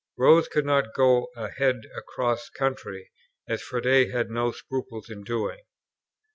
Rose could not go a head across country, as Froude had no scruples in doing.